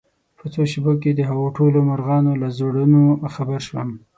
په څو شېبو کې دهغو ټولو مرغانو له زړونو خبر شوم